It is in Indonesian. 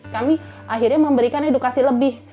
kami akhirnya memberikan edukasi lebih